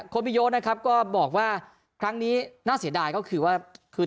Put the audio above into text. บิโยนะครับก็บอกว่าครั้งนี้น่าเสียดายก็คือว่าคือ